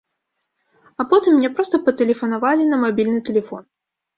А потым мне проста патэлефанавалі на мабільны тэлефон.